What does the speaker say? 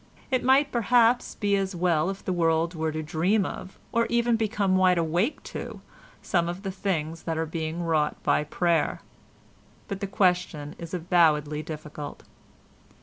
It might perhaps be as well if the world were to dream of, or even become wide awake to, some of the things that are being wrought by prayer. But the question is avowedly difficult.